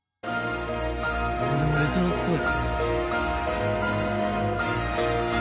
もうレトロっぽい。